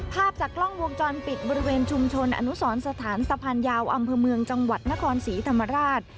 ภาพจากกล้องวงจรปิดบริเวณชุมชนอนุสรสถานสะพานยาวอำเภอเมืองจังหวัดนครศรีธรรมราช